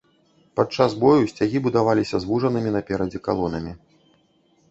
Падчас бою сцягі будаваліся звужанымі наперадзе калонамі.